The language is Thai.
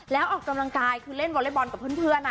แล้วออกกำลังกายคือเล่นวอเล็กบอลกับเพื่อนนะ